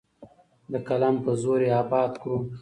د قلم په زور یې اباده کړو.